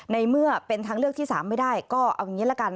ในเมื่อเป็นทางเลือกที่๓ไม่ได้ก็เอาอย่างนี้ละกัน